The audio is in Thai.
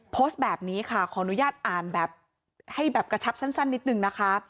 โพสต์แบบนี้ค่ะขออนุญาตอ่านแบบให้แบบกระชับสั้นนิดนึงนะคะ